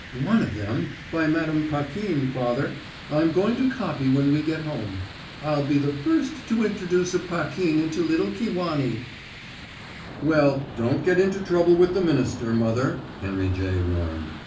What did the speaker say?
One of them, by Madam Paquin, father, I'm going to copy when we get home. I'll be the first to introduce a Paquin into little Kewanee." "Well, don't get into trouble with the minister, mother," Henry J. warned.